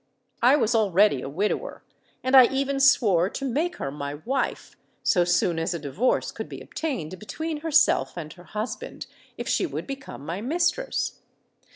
I was already a widower, and I even swore to make her my wife, so soon as a divorce could be obtained between herself and her husband, if she would become my mistress.